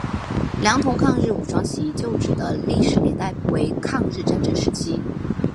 良垌抗日武装起义旧址的历史年代为抗日战争时期。